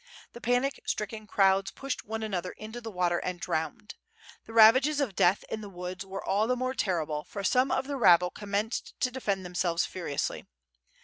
The panic stricken crowds pushed one another into the water and drowned. The ravages of death in the woods were all the more terrible, for some of the rabble commenced to de fend themselves furiously.